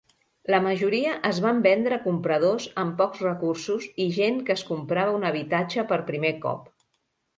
La majoria es van vendre a compradors amb pocs recursos i gent que es comprava un habitatge per primer cop.